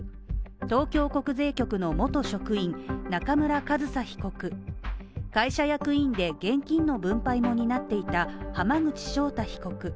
東京国税局の元職員中村上総被告会社役員で現金の分配も担っていた浜口正太被告